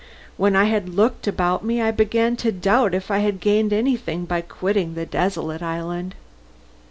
When I had looked about me I began to doubt if I had gained anything by quitting the desolate island.